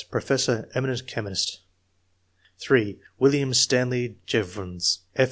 professor, eminent chemist; (3) William Stanley Jevons, F.